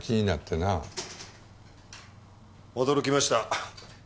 驚きました。